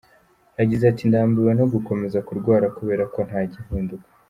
Yagize ati "Ndambiwe no gukomeza kurwara kubera ko nta gihinduka.